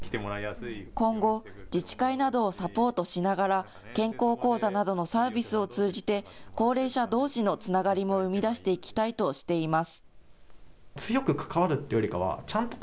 今後、自治会などをサポートしながら、健康講座などのサービスを通じて、高齢者どうしのつながりも生み出していきたいとしています。